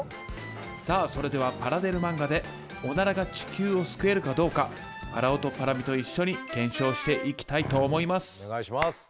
さあそれではパラデル漫画でオナラが地球を救えるかどうかパラオとパラミと一緒に検証していきたいと思います。